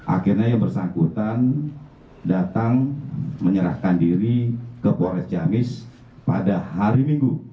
akhirnya yang bersangkutan datang menyerahkan diri ke polres ciamis pada hari minggu